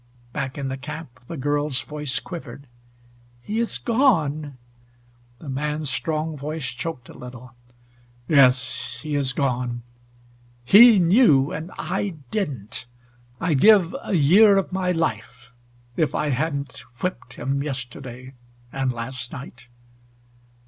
Back in the camp the girl's voice quivered. "He is gone." The man's strong voice choked a little. "Yes, he is gone. He knew and I didn't. I'd give a year of my life if I hadn't whipped him yesterday and last night.